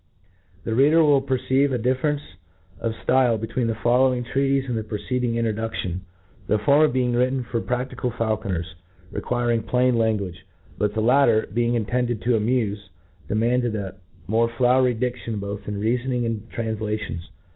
THE reader will perceive a diflFerencc of ftilc bptwecn the following trcatifc and thcprccecding introduction: The former being written for prac tical faulconers, required plain language ; but the latter, being intended to amufe, demanded a more flowery diftion both in the reafonings and tranflations.